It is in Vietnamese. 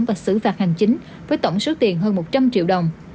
và xử phạt hành chính với tổng số tiền hơn một trăm linh triệu đồng